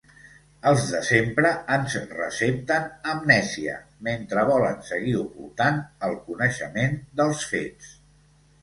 Els de sempre ens recepten amnèsia, mentre volen seguir ocultant el coneixement dels fets.